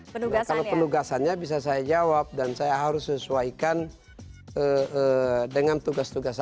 kalau penugasannya bisa saya jawab dan saya harus sesuaikan dengan tugas tugasnya